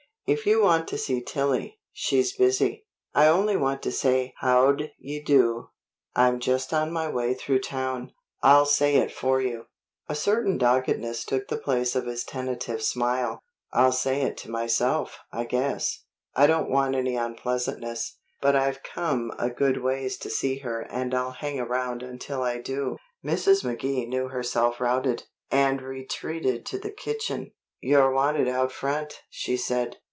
"If you want to see Tillie, she's busy." "I only want to say how d 'ye do. I'm just on my way through town." "I'll say it for you." A certain doggedness took the place of his tentative smile. "I'll say it to myself, I guess. I don't want any unpleasantness, but I've come a good ways to see her and I'll hang around until I do." Mrs. McKee knew herself routed, and retreated to the kitchen. "You're wanted out front," she said.